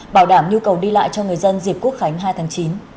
bảo đảm nhu cầu đi lại cho người dân dịp quốc khánh hai tháng chín